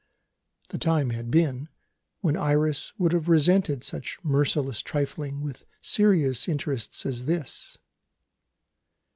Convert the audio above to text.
The time had been when Iris would have resented such merciless trifling with serious interests as this.